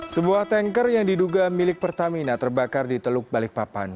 sebuah tanker yang diduga milik pertamina terbakar di teluk balikpapan